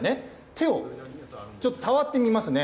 手をちょっと触ってみますね。